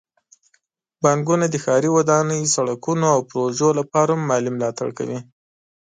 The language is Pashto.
بانکونه د ښاري ودانۍ، سړکونو، او پروژو لپاره هم مالي ملاتړ کوي.